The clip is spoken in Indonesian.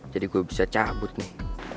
jadi gua bisa cabut nih